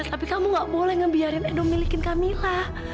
fadil tapi kamu gak boleh ngebiarin edul milikin kamila